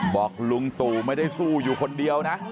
บอกลุงตู่ไม่ได้สู้อยู่คนเดียวนะ